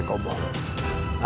aku akan datang lagi